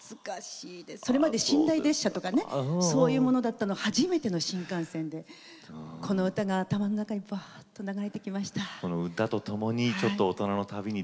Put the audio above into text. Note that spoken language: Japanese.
それまで寝台列車とかそういうものだったのに初めての新幹線、この歌が頭の中に流れてきました。